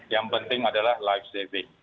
yang penting adalah life saving